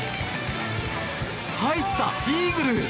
入った、イーグル！